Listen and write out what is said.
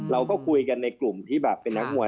เราก็คุยกันในกลุ่มที่แบบเป็นนักมวย